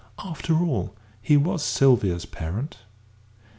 After all, he was Sylvia's parent.